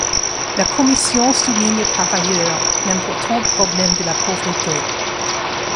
La Commission souligne par ailleurs l'important problème de la pauvreté.